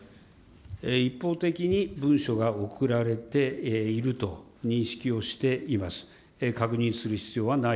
一方的に文書が送られていると認識をしています。